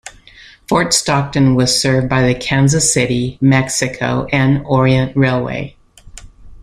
Fort Stockton was served by the Kansas City, Mexico and Orient Railway.